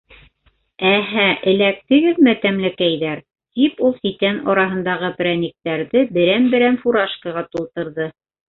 - Эһә, эләктегеҙме, тәмлекәйҙәр! - тип ул ситән араһындағы перә-никтәрҙе берәм-берәм фуражкаға тултырҙы.